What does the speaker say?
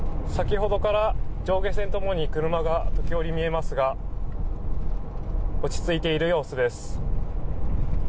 先ほどから上下線ともに車が時折見えますが落ち着いている様子です。